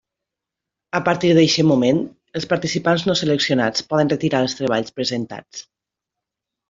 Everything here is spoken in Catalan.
A partir d'eixe moment, els participants no seleccionats poden retirar els treballs presentats.